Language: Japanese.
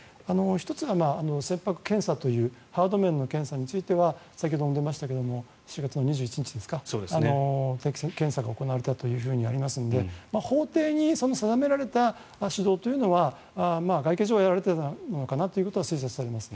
１つは船舶検査というハード面の検査については先ほども出ましたが４月２１日ですか定期検査が行われたとありますので法廷に定められた指導というのは外形上やられていたのかなというのは推察されます。